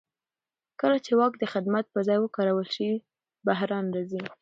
کله چې واک د خدمت پر ځای وکارول شي بحران راځي